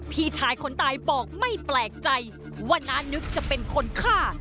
พี่ชายคนตายบอกไม่แปลกใจว่าน้านึกจะเป็นคนฆ่า